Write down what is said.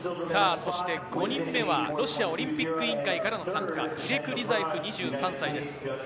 そして５人目はロシアオリンピック委員会からの参加、イレク・リザエフ、２３歳です。